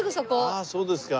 ああそうですか。